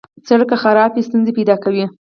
سړک که خراب وي، ستونزې پیدا کوي.